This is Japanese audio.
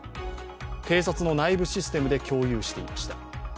警察の内部システムで共有していました。